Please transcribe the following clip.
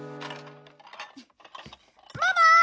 ママ！